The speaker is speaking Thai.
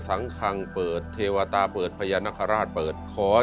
สังครรมเปิดเทวตะเปิดพระยนรคราชเปิด